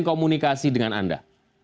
komunikasi dengan anda